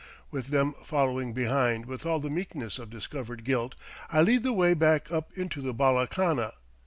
With them following behind with all the meekness of discovered guilt, I lead the way back up into the bala khana.